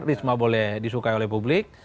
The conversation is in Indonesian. risma boleh disukai oleh publik